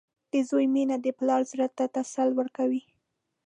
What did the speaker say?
• د زوی مینه د پلار زړۀ ته تسل ورکوي.